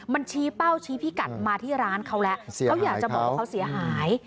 มันชี้เป้าชี้พิกัดมาที่ร้านเขาแล้วเขาอยากจะบอกว่าเขาเสียหาย